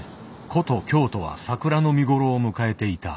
古都京都は桜の見頃を迎えていた。